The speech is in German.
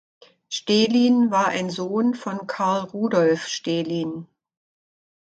Stehlin war ein Sohn von Karl Rudolf Stehlin.